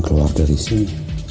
jadi tidak tenang